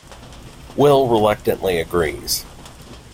Will reluctantly agrees.